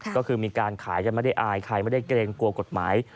ก็คือมีการขายกันไม่ได้อายใครไม่ได้เกรงกลัวกฎหมาย